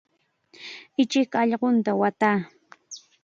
Ichik allqutam waataa.